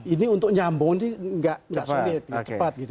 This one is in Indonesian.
ini untuk nyambung ini nggak sobat